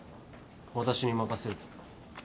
私に任せると。